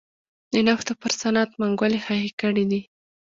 د نفتو پر صنعت منګولې خښې کړې دي.